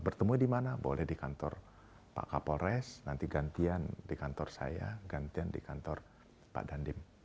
bertemu di mana boleh di kantor pak kapolres nanti gantian di kantor saya gantian di kantor pak dandim